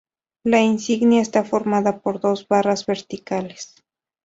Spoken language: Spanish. La insignia está formada por dos barras verticales.